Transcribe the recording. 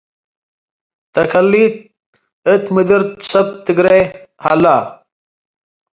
ተከሊ'ት እት ምድር ሰብ ትግሬ ሀለ።